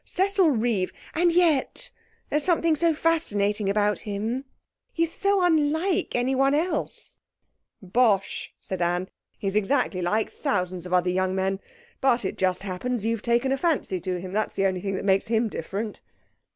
Cecil Reeve ' 'And yet there's something so fascinating about him. He's so unlike anybody else.' 'Bosh!' said Anne. 'He's exactly like thousands of other young men. But it just happens you've taken a fancy to him; that's the only thing that makes him different.'